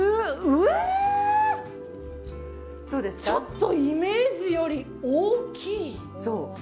ちょっとイメージより大きい。